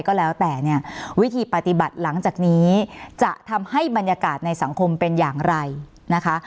ก็แล้วแต่เนี่ยวิธีปฏิบัติหลังจากนี้จะทำให้บรรยากาศในสังคมเป็นอย่างไรนะคะ